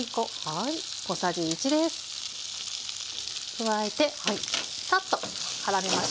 加えてさっとからめましょう。